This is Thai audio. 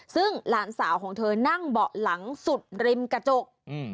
ซึ่งหลานสาวของเธอนั่งเบาะหลังสุดริมกระจก